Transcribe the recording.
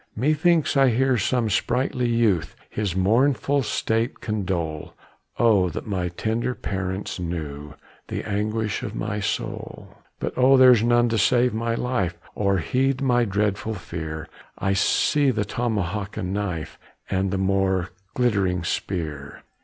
Methinks I hear some sprightly youth His mournful state condole: "Oh, that my tender parents knew The anguish of my soul! "But oh! there's none to save my life, Or heed my dreadful fear; I see the tomahawk and knife, And the more glittering spear.